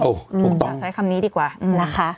อ๋อถูกต้องเอาใช้คำนี้ดีกว่าอืมนะคะ